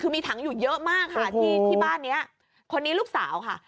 คือมีถังอยู่เยอะมากค่ะที่บ้านนี้คนนี้ลูกสาวค่ะ